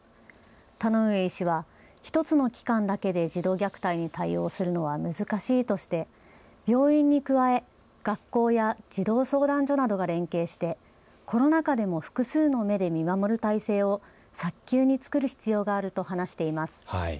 田上医師は１つの機関だけで児童虐待に対応するのは難しいとして病院に加え学校や児童相談所などが連携してコロナ禍でも複数の目で見守る体制を早急に作る必要があると話しています。